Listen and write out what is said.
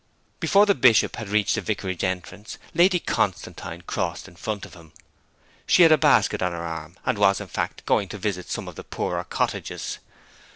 Before the Bishop had reached the vicarage entrance Lady Constantine crossed in front of him. She had a basket on her arm, and was, in fact, going to visit some of the poorer cottages.